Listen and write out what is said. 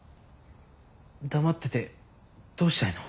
黙っててどうしたいの？